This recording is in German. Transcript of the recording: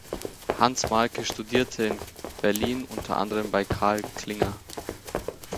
Hans Mahlke studierte in Berlin unter anderem bei Karl Klingler.